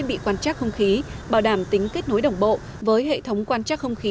hệ thống quan chắc không khí bảo đảm tính kết nối đồng bộ với hệ thống quan chắc không khí